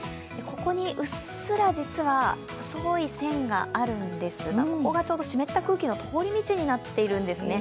ここにうっすら、実は白い線があるんですがここがちょうど湿った空気の通り道になっているんですね。